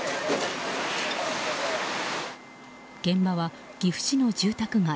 現場は岐阜市の住宅街。